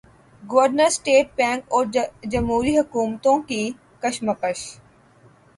governor state bank اور جمہوری حکومتوں کی کشمکش